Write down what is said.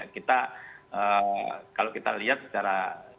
kalau kita lihat secara